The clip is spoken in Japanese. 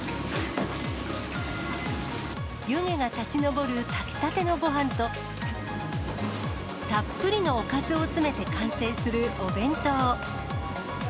湯気が立ち上るたきたてのごはんと、たっぷりのおかずを詰めて完成するお弁当。